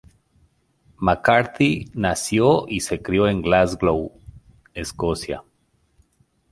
McCarthy nació y se crio en Glasgow, Escocia.